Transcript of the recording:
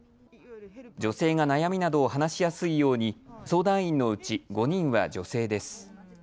女性が悩みなどを話しやすいように相談員のうち５人は女性です。